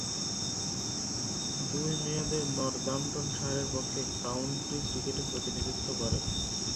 দুই মেয়াদে নর্দাম্পটনশায়ারের পক্ষে কাউন্টি ক্রিকেটে প্রতিনিধিত্ব করেন।